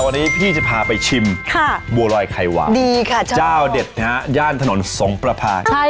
วันนี้พี่จะพาไปชิมบัวรอยไข่หวานจ้าวเด็ดนะฮะย่านถนนสงประภาคดีค่ะชอบ